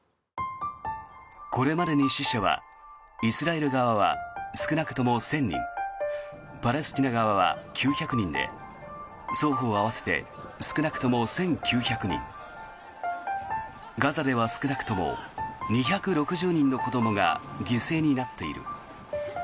これまでに死者はイスラエル側は少なくとも１０００人パレスチナ側は９００人で双方合わせて少なくとも１９００人ガザでは少なくとも２６０人の子どもが犠牲になっている。